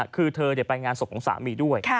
คือเธอไปงานศพของสามีด้วย